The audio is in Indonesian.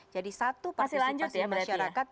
jadi satu partisipasi masyarakat